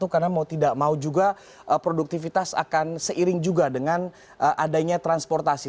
karena mau tidak mau juga produktivitas akan seiring juga dengan adanya transportasi